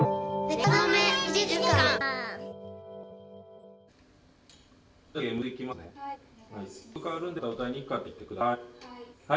曲かわるんでまた歌いにくかったら言ってください。